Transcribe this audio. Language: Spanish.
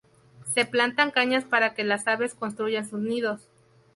Se plantan cañas para que las aves construyan sus nidos.